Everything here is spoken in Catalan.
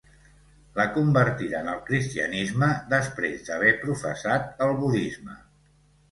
La convertiren al cristianisme després d'haver professat el budisme.